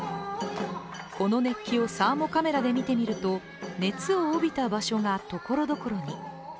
この熱気をサーモカメラで見てみると熱を帯びた場所がところどころに。